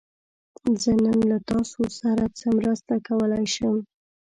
زه نن له تاسو سره څه مرسته کولی شم؟